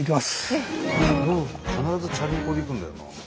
必ずチャリンコで行くんだよなあ。